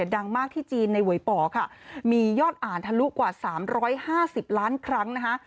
ดังมากที่จีนในหวยป่อค่ะมียอดอ่านทะลุกว่า๓๕๐ล้านครั้งนะคะ